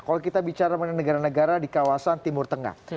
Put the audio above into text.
kalau kita bicara mengenai negara negara di kawasan timur tengah